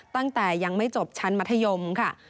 ตั้งแต่ยังไม่จบชั้นมัธยมค่ะ